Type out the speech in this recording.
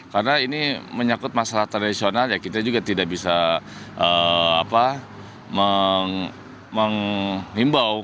karena ini menyakut masalah tradisional ya kita juga tidak bisa menghimbau